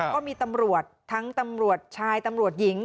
ก็มีตำรวจทั้งตำรวจชายตำรวจหญิง